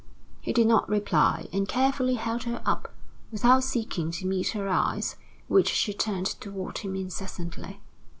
He did not reply, and carefully held her up, without seeking to meet her eyes which she turned toward him incessantly.